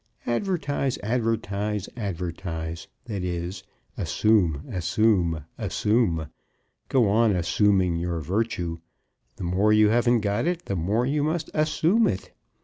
Advertise, advertise, advertise. That is, assume, assume, assume. Go on assuming your virtue. The more you haven't got it, the more you must assume it.